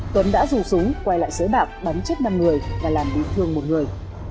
tuấn đã dùng súng quay lại sới bạc bắn chết năm người và làm bị thương một người